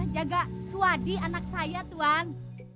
jaga swadi anak saya tuan